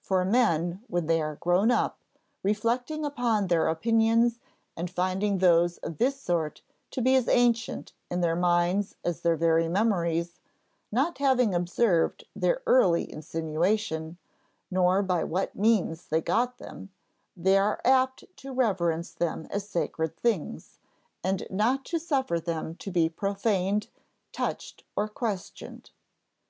For men, when they are grown up, reflecting upon their opinions and finding those of this sort to be as ancient in their minds as their very memories, not having observed their early insinuation, nor by what means they got them, they are apt to reverence them as sacred things, and not to suffer them to be profaned, touched, or questioned."